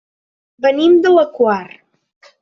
Venim de la Quar.